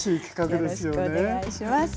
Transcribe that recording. よろしくお願いします。